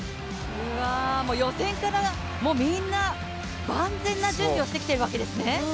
予選からみんな万全な準備をしてきているわけですね。